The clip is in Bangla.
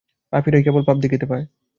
পাপীরাই কেবল পাপ দেখিতে পায়।